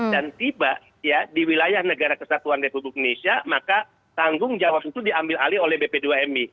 dan tiba di wilayah negara kesatuan republik indonesia maka tanggung jawab itu diambil alih oleh bp dua mi